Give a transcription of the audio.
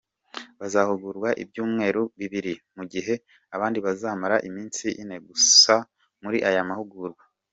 Bazahugurwa ibyumweru bibiri, mu gihe abandi bazamara iminsi ine gusa muri aya mahugurwa.